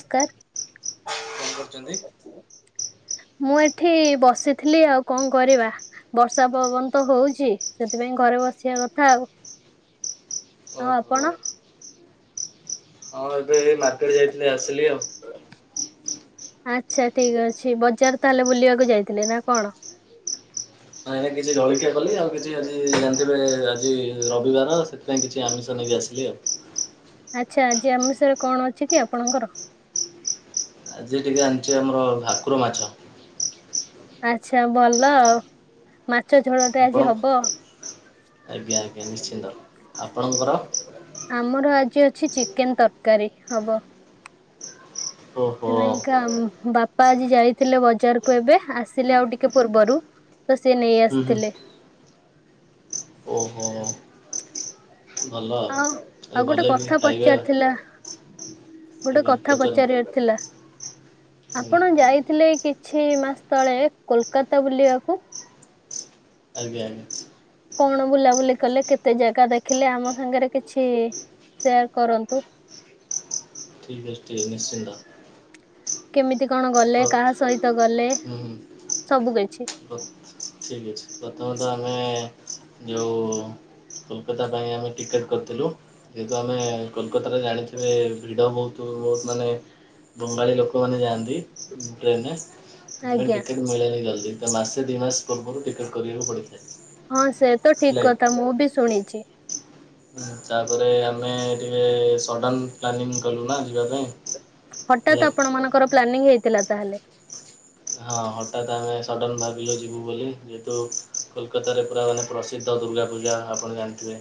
ସ୍କାର। କଣ କରୁଛନ୍ତି? ମୁଁ ଏଠି ବସିଥିଲି ଆଉ କଣ କରିବା। ବର୍ଷା ପବନ ତ ହଉଛି ସେଥିପାଇଁ ଘରେ ବସିବା କଥା ଆଉ। ଆଉ ଓହୋ ଆପଣ? ହଁ ଏବେ ଏଇ ମାର୍କେଟ ଯାଇଥିଲି ଆସିଲି ଆଉ। ଆଚ୍ଛା ଠିକ ଅଛି ବଜାର ତାହେଲେ ବୁଲିବାକୁ ଯାଇଥିଲେ ନା କଣ? ଏଇନା କିଛି ଜଳିଖିଆ କଲି ଆଉ କିଛି ଆଜି ଜାଣିଥିବେ ଆଜି ରବିବାର ସେ ପାଇଁ କିଛି ଆମିଷ ନେଇକି ଆସିଲି ଆଉ। ଆଚ୍ଛା ଆଜି ଆମିଷରେ କଣ ଅଛି କି ଆପଣଙ୍କର? ଆଜି ଟିକେ ଆଣିଚି ଆମର ଭାକୁର ମାଛ। ଆଚ୍ଛା ଭଲ ଆଉ ମାଛ ଝୋଳ ଟେ ଆପଣ ଆଜି ହବ। ଆଜ୍ଞା ଆଜ୍ଞା ନିଶ୍ଚିନ୍ତ। ଆପଣଙ୍କର ଆମର ଆଜି ଅଛି ଚିକେନ ତରକାରୀ ହବ। ଓହୋ ସେଥିପାଇଁକା ବାପା ଆଜି ଯାଇଥିଲେ ବଜାରୁକୁ ଏବେ ଆସିଲେ ଆଉ ଟିକେ ପୂର୍ବରୁ। ତ ସିଏ ନେଇ ହୁଁ ହୁଁ ଆସିଥିଲେ। ଓହୋ। ଆଉ ଏ ଆଉ ଭଲ ଗୋଟେ କି କଥା ଖାଇବା ପଚାରିଥିଲା। ଗୋଟେ ଆଜ୍ଞା କଥା ପଚାରନ୍ତୁ ପଚାରିବାର ଥିଲା। ଆଜ୍ଞା ଆପଣ ଯାଇଥିଲେ କିଛି ମାସ ତଳେ କୋଲକାତା ବୁଲିବାକୁ? ଆଜ୍ଞା ଆଜ୍ଞା। କଣ ବୁଲାବୁଲି କଲେ କେତେ ଜାଗା ଦେଖିଲେ ଆମ ସାଙ୍ଗରେ କିଛି ସେୟାର କରନ୍ତୁ। ଠିକ ଅଛି ଠିକ୍ ନିଶ୍ଚିନ୍ତ। କେମିତି କଣ ଗଲେ କାହା ହୁଁ ସହିତ ଗଲେ ସବୁ କିଛି। [unintelligible] ଠିକ ଅଛି ପ୍ରଥମତ ଆମେ ଯୋଉ କୋଲକତା ପାଇଁ ଆମେ ଟିକେଟ କରିଥିଲୁ ଯେହେତୁ ଆମେ କୋଲକତାରେ ଜାଣିଥିବେ ଭିଡ଼ ବହୁତୁ ବହୁତୁ ମାନେ ବଙ୍ଗାଳୀ ଲୋକମାନେ ଯାଆନ୍ତି ଟ୍ରେନ୍ ରେ ସେଥିପାଇଁ ଆଜ୍ଞା ଟିକେ ମିଳେନି ଜଲ୍ଦି ତ ମାସେ ଦି ମାସ ପୂର୍ବରୁ ଟିକେଟ କରିବାକୁ ପଡିଥାଏ। ହଁ ସେ ତ ଠିକ୍ କଥା ମୁଁ ବି ଶୁଣିଚି। ହୁଁ ତାପରେ ଆମେ ଟିକେ ସଡ଼ନ ପ୍ଲାନିଂ କଲୁ ନା ଯିବା ପାଇଁ। ହଠାତ୍ ହେଲେ ଆପଣ ମାନଙ୍କର ପ୍ଲାନିଂ ହେଇଥିଲା ତାହେଲେ। ହଁ ହଠାତ୍ ଆମେ ସଡ଼ନ ଭାବିଲୁ ଯିବୁ ବୋଲି ଯେହେତୁ କୋଲକତାରେ ପୁରା ମାନେ ପ୍ରସିଦ୍ଧ ଦୁର୍ଗା ପୂଜା ଆପଣ ଜାଣିଥିବେ।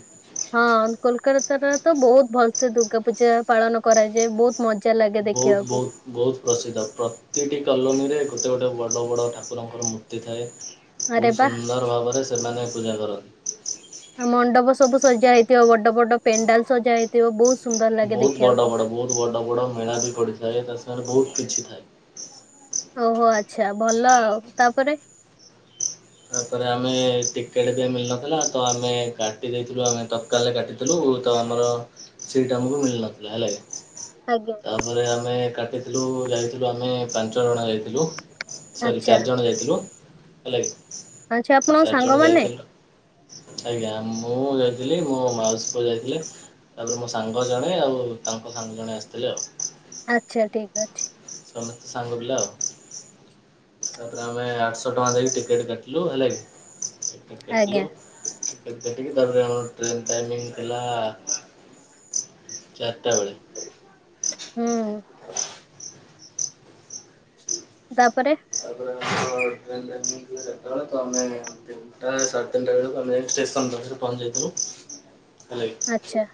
ହଁ କୋଲକାତାରେ ତ ବହୁତ୍ ଭଲସେ ଦୁର୍ଗା ପୂଜା ପାଳନ କରାଯାଏ। ବହୁତ ମଜା ଲା ବହୁତ୍ ବହୁତ୍। ବହୁତ୍ ପ୍ରସିଦ୍ଧ ପ୍ରତିଟି କଲୋନୀରେ ଗୋଟେ ଗୋଟେ ବଡ଼ ବଡ଼ ଠାକୁରଙ୍କର ମୂର୍ତ୍ତି ଥାଏ। ଆରେ ବହୁତ୍ ବା ସୁନ୍ଦର ଭାବରେ ସେମାନେ ପୂଜା କରନ୍ତି। ମଣ୍ଡପ ସବୁ ସଜା ହେଇଥିବ ବଡ ବଡ ପେଣ୍ଡାଲ ସଜା ହେଇଥିବ ବହୁତ ସୁନ୍ଦର ଲାଗେ ବହୁତ୍ ଦେଖିବାକୁ। ବଡ ବଡ ବହୁତ୍ ବଡ ବଡ ମେଳା ବି ପଡ଼ିଥାଏ ତା ସାଙ୍ଗରେ ବହୁତ କିଛି ଥାଏ। ଓହୋ ଆଚ୍ଛା ଭଲ ଆଉ ତାପରେ ତାପରେ ଆମେ ଟିକେଟ ବି ମିଳୁନଥିଲା ତ ଆମେ କାଟି ଦେଇଥିଲୁ ଆମେ ତ କାଲ୍ ରେ କାଟିଥିଲୁ ତ ଆମର ସିଟ୍ ଆମକୁ ମିଳିନଥିଲା ହେଲା କି ଆଜ୍ଞା। ତାପରେ ଆମେ କାଟିଥିଲୁ ଯାଇଥିଲୁ ଆମେ ପାଞ୍ଚ ଜଣ ଯାଇଥିଲୁ। ସରି ଆଚ୍ଛା ଚାରିଜଣ ଯାଇଥିଲୁ ହେଲା କିି। ଆଚ୍ଛା ଆପଣଙ୍କ ଚାରି ଜଣ ସାଙ୍ଗମାନେ ଯାଇଥିଲୁ ଆଜ୍ଞା ମୁଁ ଯାଇଥିଲି ମୋ ମାଉସୀ ପୁଅ ଯାଇଥିଲେ। ତାପରେ ମୋ ସାଙ୍ଗ ଜଣେ ଆଉ ତାଙ୍କ ସାଙ୍ଗ ଜଣେ ଆସିଥିଲେ ଆଉ। ଆଚ୍ଛା ଠିକ୍ ଅଛି। ସମସ୍ତେ ସାଙ୍ଗ ପିଲା ଆଉ। ତାପରେ ଆମେ ଆଠଶହ ଟଙ୍କା ଦେଇକି ଟିକେଟ କାଟିଲୁ ହେଲାକି ଟିକେଟ୍ କାଟିଲୁ। ଆଜ୍ଞା କେଟ୍ କାଟିକି ତାପରେ ଆମର ଟ୍ରେନ୍ ଟାଇମିଙ୍ଗ ଥିଲା ଚାରିଟା ବେଳେ। ହୁଁ। ତାପରେ ତାପରେ ଆମେ [inaudible] ଟା ସା ତିନିଟା ବେଳକୁ ଆମେ ପହଞ୍ଚି ଯାଇଥିବୁ ହେଲା କି? ଆଚ୍ଛା।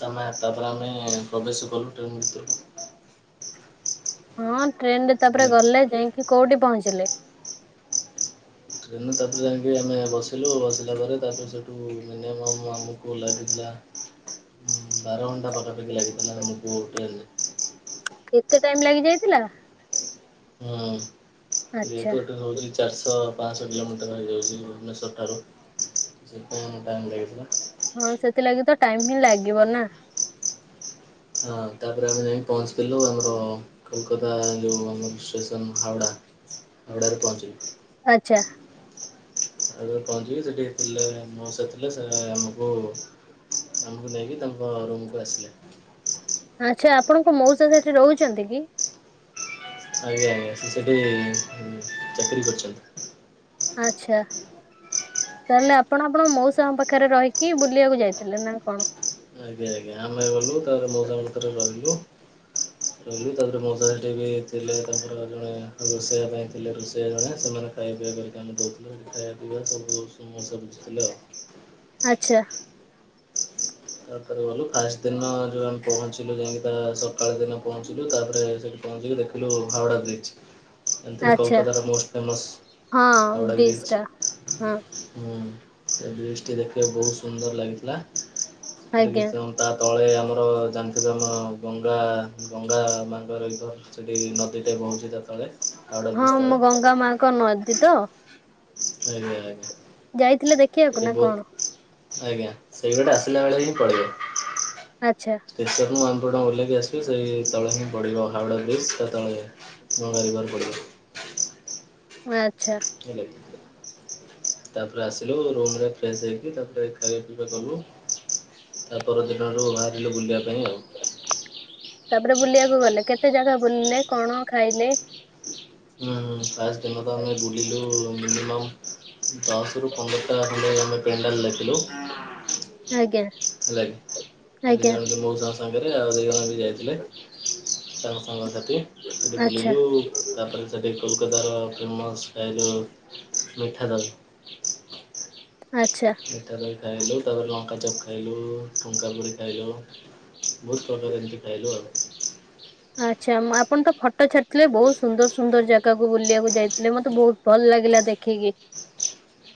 ତମେ ଆସିଲା ପରେ ଆମେ ପ୍ରବେଶ କଲୁ ଟ୍ରେନ୍ ଭିତରକୁ। ହଁ ଟ୍ରେନ ରେ ତାପରେ ହେଲା କି। ଗଲେ ଯାଇକି କୋଉଠି ପହଞ୍ଚିଲେ? ଟ୍ରେନ ତାପରେ ଯାଇକି ଆମେ ବସିଲୁ ବସିଲା ପରେ ତାପରେ ସେଠୁ ମିନିମମ୍ ଆମକୁ ଲାଗିଥିଲା [inaudible] ବାର ଘଂଟା ପାଖାପାଖି ଲାଗିଥିଲା ଆମକୁ ଟ୍ରେନ୍ ରେ। ଏତେ ଟାଇମ୍ ଲାଗି ଯାଇଥିଲା? ହଁ ଆଚ୍ଛା ଯେହେତୁ ଏଠି ହଉଛି ଚାରିଶହ ପାଞ୍ଚଶହ କିଲୋମିଟର ହେଇଯାଉଛି ଭୁବନେଶ୍ୱର ଠାରୁ ସେଇଥି ପାଇଁ ଆମକୁ ଟାଇମ୍ ଲାଗିଥିଲା। ହଁ ସେଥିଲାଗି ତ ଟାଇମ ହିଁ ଲାଗିବ ନା? ହଁ ତାପରେ ଆମେ ଯାଇି ପହଞ୍ଚିଥିଲୁ ଆମର କୋଲକାତା ଯୋଉ ଆମର ଷ୍ଟେସନ ହାଉଡା। ହାଉଡ଼ାରେ ପହଞ୍ଚିଲି। ଆଚ୍ଛା। ଆଉ ପହଞ୍ଚିକି ସେଠି ଥିଲେ ମୋଉସା ସେ ଥିଲେ ସେ ଆମକୁ ଆମକୁ ନେଇକି ତାଙ୍କ ରୁମକୁୁ ଆସିଲେ। ଆଚ୍ଛା ଆପଣଙ୍କ ମଉସା ସେଠି ରହୁଛନ୍ତି କି? ଆଜ୍ଞା ଆଜ୍ଞା ସେଠି ଚାକିରି କରିଛନ୍ତି। ଆଚ୍ଛା। ତାହେଲେ ଆପଣ ଆପଣ ମଉସା ଙ୍କ ପାଖରେ ରହିକି ବୁଲିବାକୁ ଯାଇଥିଲେ ନା କଣ? ଆଜ୍ଞା ଆଜ୍ଞା ଆମେ ଗଲୁ ତାପରେ ମଉସା ରହିଲି ତାପରେ ମଉସା ସେଠି ବି ଥିଲେ ତାଙ୍କର ଜଣେ ରୋଷେଆ ପାଇଁ ଥିଲେ ରୋଷେଇଆ ଜଣେ ସେମାନେ ଖାଇବା ପିବାକ କମେ ଦଉଥିଲେ ଖାଇବା ପିଇବା ସବୁ ମଉସା ବୁଝିଥିଲେ ଆଉ। ଆଚ୍ଛା। ତାପରେ ଗଲୁ ଫାଷ୍ଟ ଦିନ ଯଉ ଆମେ ପହଞ୍ଚିଲୁ ଯାଇକି। ସକାଳ ଦିନ ପହଞ୍ଚିଲୁ ତାପରେ ସେଠି ପହଞ୍ଚିକି ଦେଖିଲୁ ହାଉଡା ବ୍ରିଜ୍ ଏମଟି ବି ଆଚ୍ଛା କଲକତାର ମୋଷ୍ଟ ଫେମସ୍। ହଁ ହାଉଡ଼ା ବ୍ରିଜ ଟା ହଁ ବ୍ରିଜ ହୁଁ। ସେ ବ୍ରିଜ୍ ଟି ଦେଖିବାକୁ ବହୁତ ସୁନ୍ଦର ଲାଗିଥିଲା। ସେଠ କି ଆଜ୍ଞା ତା ତଳେ ଆମର ଜାଣିଥିବ ଆମ ଗଙ୍ଗା ଗଙ୍ଗା ମାଙ୍କ ରିଭର୍। ସେଠି ନଦୀ ଟେ ପହଞ୍ଚି ତା ତଳେ। ହାଓଡ଼ା ହଁ ବ୍ରିଜ ତଳେ ମୁଁ ଗଙ୍ଗା ମାଙ୍କ ନଦୀ ତ? ଆଜ୍ଞା ଆଜ୍ଞା। ଯାଇଥିଲେ ଦେ ଏଠି ବହୁତ ଆଜ୍ଞା ସେଇ ବାଟେ ଆସିଲା ବେଳେ ହିଁ ପଳେଇବ। ଆଚ୍ଛା। ସେେର ମୁଁ ଆନ୍ଦପୁର ଟା ଓ୍ଲାଇକ ଆସିବି ସେଇ ତଳେ ହିଁ ପଡ଼ିବ ହାାଉଡ଼ା ବ୍ରିଜ୍ ତା ତଳେ। [unintelligible] ବାକୁ ପଡିବ। ଆଚ୍ଛା। ହେଲାକି? ତାପରେ ଆସିଲୁ ରୁମ୍ ରେ ଫ୍ରେଶ ହେଇକି ତାପରେ ଖାଇବା ପିଇବା କଲୁ। ତା ପରଦିନରୁ ବାହାରିଲୁ ବୁଲିବା ପାଇଁ ଆଉ। ତାପରେ ବୁଲିବାକୁ ଗଲେ କେତେ ଜାଗା ବୁଲିଲେ କଣ ଖାଇଲେ? ହୁଁ ଫାଷ୍ଟ ଦିନ ତ ଆମେ ବୁଲିଲୁ ମିନିମମ ଦଶ ରୁ ପନ୍ଦରଟା ଖଣ୍ଡ ଆମେ ପେଣ୍ଡାଲ ଲେଖିଲୁ। ଆଜ୍ଞା। ହେଲା [unintelligible] ଆଜ୍ଞା ସାଙ୍ଗରେ ଆଉ ଦୁଇ ଜଣ ବି ଯାଇଥିଲେ ତାଙ୍କ ସାଙ୍ଗ ସାଥି ସେଠି ଆଚ୍ଛା ବୁଲିଲୁ। ତା ପରେ ସେଠି କୋଲକାତାର ଫେମସ୍ ଏ ଯେଉଁ ମିଠା ଦାଲ ଆ୍ଛା। ଏଟା ବି ଖାଇଲୁ ତାପରେ ଲଙ୍କାଚପ୍ ଖାଇଲୁ ଫୁଙ୍କାପୁଡ଼ି ଖାଇଲୁ। ବହୁତ ପ୍ରକାର ଏମିତି ଖାଇଲୁ ଆଉ। ଆଛା ଆପଣ ତ ଫଟୋ ଛାଡିଥିଲେ, ବହୁତ ସୁନ୍ଦର ସୁନ୍ଦର ଜାଗା। ବୁଲିବାକୁ ଯାଇଥିଲେ, ମତେ ବହୁତ ଭଲ ଲାଗିଲା ଦେଖିକି।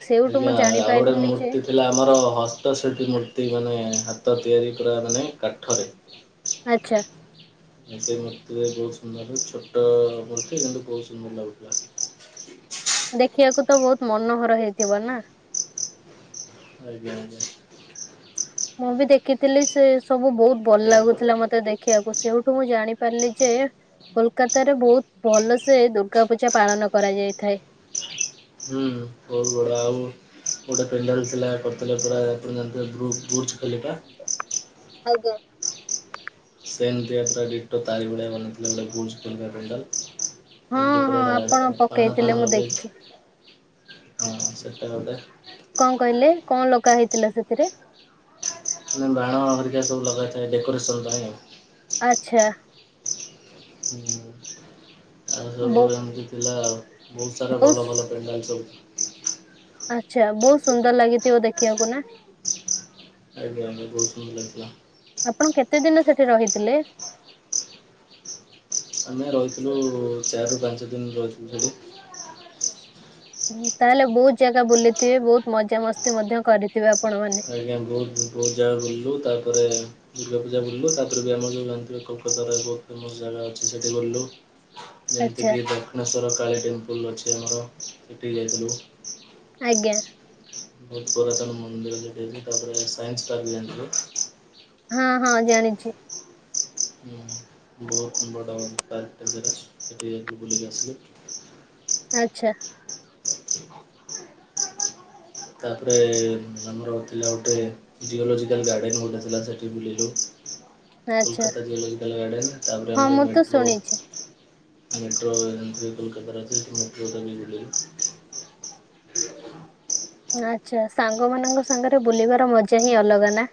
ସେଇଠୁ ଆଜ୍ଞା ମୁଁ ଆଉ ଗୋଟେ ଜାଣିପାରିଲି ଯେ ମୂର୍ତ୍ତି ଥିଲା ଆମର ହସ୍ତଶିଳ୍ପୀ ମୂର୍ତ୍ତି, ମାନେ ହାତ ତିଆରି କ ମାନେ କାଠରେ ଆଛା। ସେ ମୋତେ ବହୁତ ସୁନ୍ଦର ଛୋଟ [unintelligible] ଯେମତି ବହୁତ ସୁନ୍ଦର ଲାଗୁଥିଲା। ଦେଖିବାକୁ ତ ବହୁତ ମନୋହର ହେଇଥିବ ନା। [inaudible] ମୁଁ ବି ଦେଖିଥିଲି ସେ ସବୁ ବହୁତ ଭଲ ଲାଗୁଥିଲା। ମତେ ଦେଖି ଦେଖିବାକୁ, ସେଇଠୁ ମୁଁ ଜାଣିପାରିଲି ଯେ କୋଲକତାରେ ବହୁତ ଭଲସେ ଦୁର୍ଗା ପୂଜା ପାଳନ କରାଯାଇଥାଏ। [inaudible] ଗୋଟେ ପେଣ୍ଡର ଥିଲା କରିଥିଲେ ପୁରା [unintelligible] ଆଜ୍ଞା। ସେଣ୍ଟ [unintelligible] ଡୀଟା ତାରି ଭଳିଆ ଭନଥିଲଥିଲା ଗୋଟେ ଗୁଣ୍ଡାଲ। ହଁ ଏମିତି ହଁ ପୁରା ଆପଣ ପାଣ ପକେଇଥିଲେ ଫାଣ ମୁଁ ଲଗେଇ ଦେଖିଛି। ହଁ ସେଟା କଣ କହିଲେ? କଣ ଲଗା ହେଇଥିଲା ସେଥିରେ ମାନେ ବାଣ ଆଗରିକା ସବୁ ଲଗାଇଥାଏ ଡେକୋରେସନ୍ ପାଇଁ। ଆଛା। [inaudible] ଆଉ ସବୁ ବୋ ଏମିତି ପିଲା ବହୁତ ସାରା ବୋସ୍ ଭଲ ଭଲ ପେଣ୍ଡାଲ ସବୁ ଆଚ୍ଛା ବହୁତ ସୁନ୍ଦର ଲାଗିଥିବ ଦେଖିବାକୁ ନା? [inaudible] ଆପଣ କେତେ ଦିନ ସେଠି ରହିଥିଲେ? ଆମେ ରହିଥିଲୁ ଚାରି ରୁ ପାଞ୍ଚ ଦିନ ରହିଥିଲୁ ସେଠ। ତାହେଲେ ବହୁତ ଜାଗା ବୁଲିଥିବେ, ବହୁତ ମଜାମସ୍ତି ମଧ୍ୟ କରିଥିବେ ଆପଣ ମାନେ। ସେଠି ଆଜ୍ଞା ବହୁତ ବହୁତ ଜାଗା ଗଲୁ ତା ପରେ ଦୁର୍ଗା ପୂଜା ବଲୁ ତାପରେ ବି ଆମ ଯଉା କୋଲକାତାର ବହୁ ଫେମସ ଜାଗା ଅଛି ସେଠି ବଲୁ। ଯେମିତି ଆଚ୍ଛା କି ଦକ୍ଷିଣେଶ୍ଵର କା ଟେମ୍ପଲ ଅଛି ଆମର ସେଠି ଯାଇଥିଲୁ। ଆଜ୍ଞା। ବହୁ ପୁରାତନ ମନ୍ଦିର ତାପରେ ହଁ ହଁ ଜାଣିଛି। ବହୁତ ବଡ ପାର୍ଟ ଜାଗା ସେଠିଲଗ ଆସି ଆଛା। [inaudible] ତାପରେ ଆମର ଥିଲା ଗୋଟେ ଜିଓଲୋଜିକଲ ଗାର୍ଡନ ହୋଟେ ସେଠି ବୁଲିଲୁ। ଆଚ୍ଛା କୋଲକାତା ଜିଓଲଜିକଲ ଗାର୍ଡନ ତାପରେ ହଁ ଆମର ମୁଁ ତ ମେଟ୍ରୋ। ଶୁଣିଛି। [inaudible] ଆଚ୍ଛା ସାଙ୍ଗମାନଙ୍କ ସାଙ୍ଗରେ ବୁଲିବାର ମଜା ହିଁ ଅଲଗା ନା?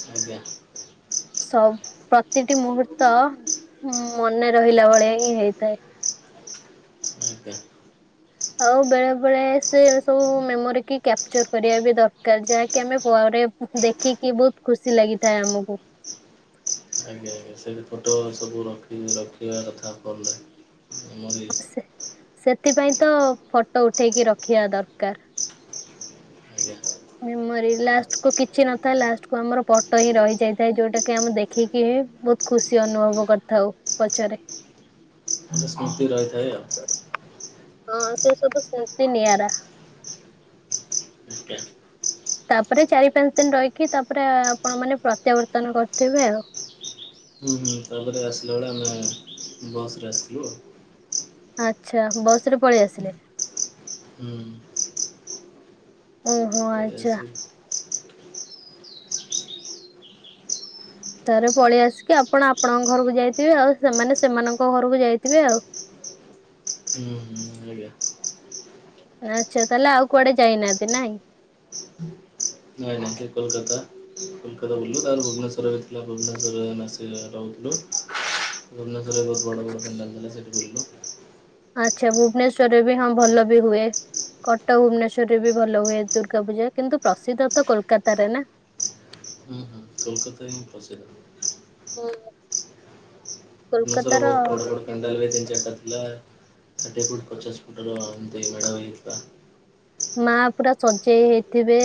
[inaudible] ସବ ପ୍ରତିଟି ମୁହୂର୍ତ୍ତ ମନେ ରହିଲା ଭଳିଆ ହିଁ ହେଇଥାଏ। [inaudible] ଆଉ ବେଳେ ବେଳେ ସେ ସବୁ ମେମୋରି କି କ୍ୟାପଚର୍ କରିବା ବି ଦରକାର। ଯା କେମେ ପରେ ଉ, ଉ, ଦେଖିକି ବହୁତ ଖୁସି ଲାଗିଥାଏ ଆମକୁ। ଏ ସେ ବି ଫଟୋ ସବୁ ରଖି ରଖିବା କଥା ଫୋନ୍ ରେ। ମେମୋରି ସେ ସେଥିପାଇଁ ତ ଫଟୋ ଉଠେଇକି ରଖିବା ଦରକାର। ଆଜ୍ଞା ମେମୋରି ଲାଷ୍ଟ କୁ କିଛି ନଥାଏ। ଲାଷ୍ଟ କୁ ଆମର ଫଟୋ ହିଁ ରହିଯାଇଥାଏ ଯୋଉଟା କି ଆମେ ଦେ ଖିକି ବହୁତ ଖୁସି ଅନୁଭବ କରିଥାଉ ପଛରେ। [inaudible] ସ୍ମୃତି ରହିଥାଏ ଆଉ। ହଁ ସେ ସବୁ ସ୍ମୃତି ନିଆରା। ଆଜ୍ଞା। ତାପରେ ଚାରି ପାଞ୍ଚ ଦିନ ରହିକି, ତାପରେ ଆ, ଆପଣ ମାନେ ପ୍ରତ୍ୟାବର୍ତ୍ତନ କରଥିବେ ଆଉ। ହୁଁ, ହୁଁ ତାପରେ ଆସିଲା ବେଳେ ଆମେ ବସ୍ ରେ ଆସିଲୁ ଆଉ। ଆଚ୍ଛା ବସ୍ ରେ ପଳେଇ ଆସିଲେ। ହୁଁ। ଓହୋ! ଆ ଏ ସେ [inaudible] ଥରେ ପଳେଇ ଆସିକି ଆପଣ ଆପଣଙ୍କ ଘରକୁ ଯାଇଥିବେ। ଆଉ ସେମାନେ ସେମାନଙ୍କ ଘରକୁ ଯାଇଥିବେ ଆଉ। ହୁଁ, ହୁଁ, ଆଜ୍ଞା। ଆଚ୍ଛା ତାହେଲେ ଆଉ କୁଆଡେ ଯାଇନାହାନ୍ତି ନାଇଁ? ଏ ତାଙ୍କେ କୋଲକାତା, କୋଲକତା ବୁଲିଲୁ, ତା ପରେ ଭୁବନେଶ୍ୱର ହେଇଥିଲା ଭୁବନେଶ୍ୱର ରେ ଆମେ ଆସି ସେ ରହୁଥିଲୁ। ଭୁବନେଶ୍ୱରରେ ବହୁତ ବଡ଼ ବଡ଼ ପେଣ୍ଡାଲ ଥିଲା ସେଠି ବୁଲିଲୁ। ଆଚ୍ଛା ଭୁବନେଶ୍ଵରରେ ବି ହଁ ଭଲ ବି ହୁଏ। କଟକ, ଭୁବନେଶ୍ଵରରେ ବି ଭଲ ହୁଏ ଦୁର୍ଗା ପୂଜା। କିନ୍ତୁ ପ୍ରସିଦ୍ଧ ତ କୋଲକାତାରେ ନା। ହୁଁ, ହୁଁ କୋଲକାତା ହିଁ ପ୍ରସିଦ୍ଧ। [inaudible] କୋଲକତା ର ପେଣ୍ଡାଲଭେ ତିନ ଚାଟା ଥିଲା [unintelligible] ପଚାଶ ଫୁଟ୍ ର ଏମତି ମେଢ ହେଇଥିଲା। ମା ପୁରା ସଜେଇ ହେଇଥିବେ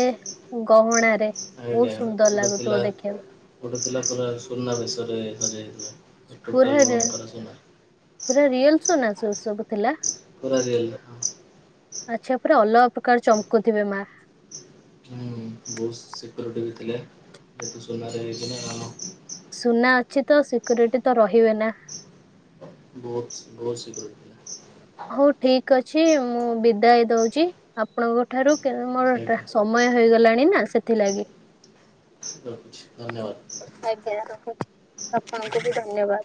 ଗହଣାରେ। ଆଜ୍ଞା ବହୁତ ସୁନ୍ଦର ଗୋଟେ ଥିଲା ଲାଗୁଥୁବ ଦେଖିବାକୁ। ଗୋଟେ ଥିଲା ସୁନା ସୁନା ବେଶରେ ସଜା ହେଇଥିଲା [unintelligible] ପୁରାହା ଟୋଟାଲ ରେ ଅଳଙ୍କାର ସୁନା ପୁରା ରିଏଲ ସୁନା ସ' ସବୁ ଥିଲା? ପୁରା ରିଏଲ ହଁ। ଆଚ୍ଛା ପୁରା ଅଲଗା ପ୍ରକାର ଚମକୁଥିବେ ମା। ହୁଁ, ବହୁତ ସିକ୍ୟୁରିଟି ବି ଥିଲେ ଯେହେତୁ ସୁନାରେ ହେଇଛି ନା କାମ। ସୁନା ଅଛି ତ ସିକ୍ୟୁରିଟି ତ ରହିବେ ନା। ବହୁତ ବହୁତ ସିକ୍ୟୁରିଟି। ଥିଲା ହଉ ଠିକ ଅଛି ମୁଁ ବିଦାୟ ଦଉଛି ଆପଣଙ୍କ ଠାରୁ କା-ମୋର ଟା ସେଇଟା ସମ ମୟ ହେଇଗଲାଣି ନା ସେଥିଲାଗି। ରଖୁଛି ଧନ୍ୟବାଦ। ଆଜ୍ଞା ରହୁଛି ଆପଣଙ୍କୁ ବି ଧନ୍ୟବାଦ।